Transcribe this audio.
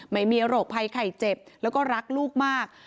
ไม่มีโรคภัยไข่เจ็บแล้วก็รักลูกมาก